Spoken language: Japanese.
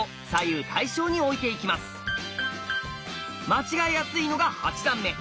間違いやすいのが八段目。